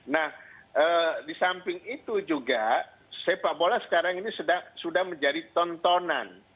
nah di samping itu juga sepak bola sekarang ini sudah menjadi tontonan